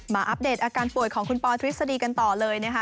อัปเดตอาการป่วยของคุณปอทฤษฎีกันต่อเลยนะคะ